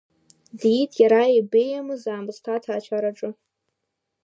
Диит иара ибеиамыз аамысҭа ҭаацәараҿы.